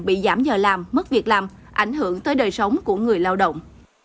bị giảm giờ làm mất việc làm ảnh hưởng tới đời sống của người lao động